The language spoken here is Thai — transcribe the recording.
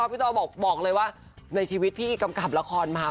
พี่โตบอกบอกเลยว่าในชีวิตพี่กำกับละครมา